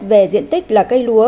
về diện tích là cây lúa